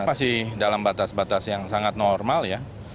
masih dalam batas batas yang sangat normal ya